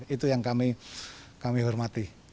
itu yang kami hormati